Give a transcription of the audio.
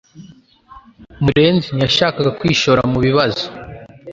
murenzi ntiyashakaga kwishora mu bibazo